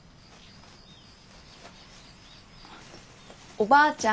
おばあちゃん。